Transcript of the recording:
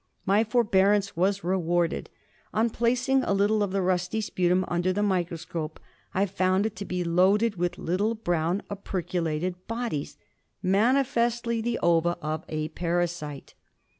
My forbearance was rewarded. On placing a little of the rusty sputum under the microscope I found it to be loaded with little brown, operculated bodies, manifestly the ova of a parasite.